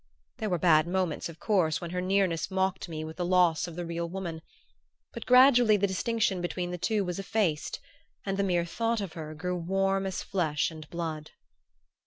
There were bad moments, of course, when her nearness mocked me with the loss of the real woman; but gradually the distinction between the two was effaced and the mere thought of her grew warm as flesh and blood.